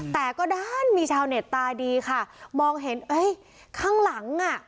แต่ก็ด้านมีชาวเน็ตตาดีค่ะมองเห็นเอ้ยข้างหลังอ่ะ